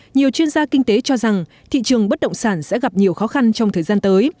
nhiều chuyên gia kinh tế cho rằng thị trường bất động sản sẽ gặp nhiều khó khăn trong thời gian tới